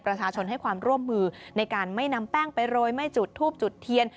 ประชาชนให้ความร่วมมือในการไม่นำแป้งไปโรยไม่จุดทูบจุดเทียน